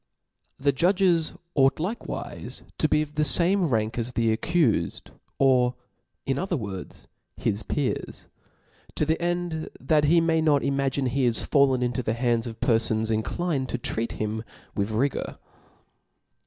The judges ought likewife to be of the fame rank as the accufed^ or in other words, his peers ; to the end that he may not imagine he is fallen into the hands of perfons inclined to treat him with rigour.